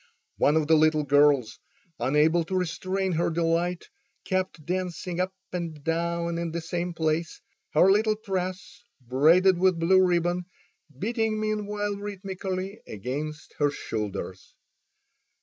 One of the little girls, unable to restrain her delight, kept dancing up and down in the same place, her little tress braided with blue ribbon beating meanwhile rhythmically against her shoulders.